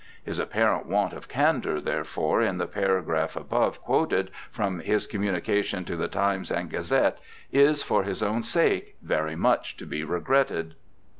His apparent want of candour, there ALFRED STILLE 239 fore, in the paragraph above quoted from his com munication to the Times and Gazette is, for his own sake, very much to be regretted.'